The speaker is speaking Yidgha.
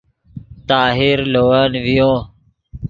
طاہر لے ون ڤیو